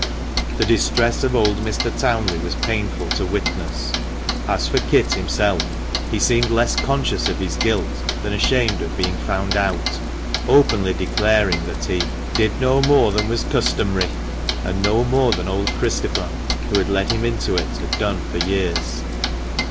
The distress of old Mr. Townley was painful to witness. As for Kit himself, he seemed less conscious of his guilt than ashamed of being found out, openly declaring that he "did no more than was customary" and no more than old Christopher, who had led him into it, had done for years.